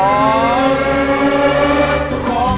มุกร้อน